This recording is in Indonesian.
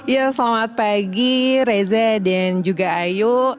ya selamat pagi reza dan juga ayu